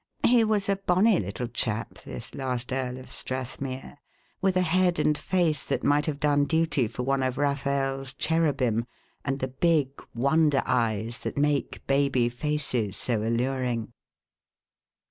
He was a bonny little chap, this last Earl of Strathmere, with a head and face that might have done duty for one of Raphael's "Cherubim" and the big "wonder eyes" that make baby faces so alluring.